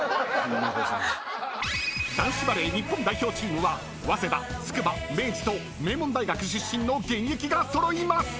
［男子バレー日本代表チームは早稲田筑波明治と名門大学出身の現役が揃います！］